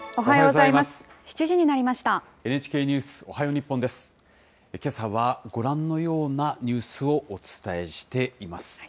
おはようございます。